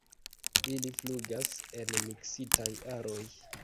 Ili flugas en miksitaj aroj.